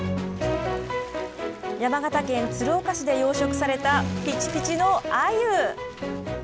山形県鶴岡市で養殖されたぴちぴちのアユ。